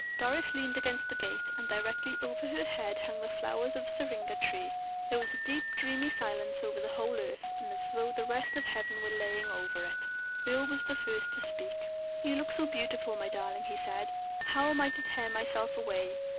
Doris leaned against the gate, and directly over her head hung the flowers of the syringa tree. There was a deep, dreamy silence over the whole earth, as though the rest of heaven were lying over it. Earle was the first to speak. "You look so beautiful, my darling," he said. "How am I to tear myself away?"